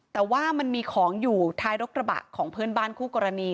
แต่ว่ามันมีของอยู่ท้ายรกระบะของเพื่อนบ้านคู่กรณี